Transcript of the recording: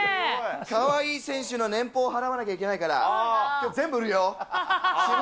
かわいい選手の年俸を払わなきゃいけないから、きょう、全部売るよ。